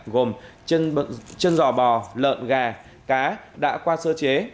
gồm chân giò bò lợn gà cá đã qua sơ chế